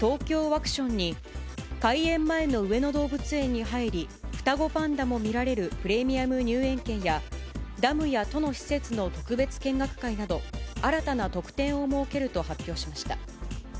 ワクションに、開園前の上野動物園に入り、双子パンダも見られるプレミアム入園券や、ダムや都の施設の特別見学会など、新たな特典を設けると発表しました。